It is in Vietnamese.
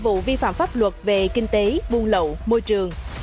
một mươi hai vụ vi phạm pháp luật về kinh tế buôn lậu môi trường